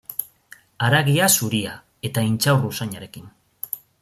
Haragia zuria eta intxaur usainarekin.